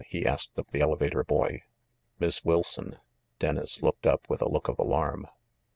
he asked of the elevator boy. "Miss Wilson." Dennis looked up with a look of alarm.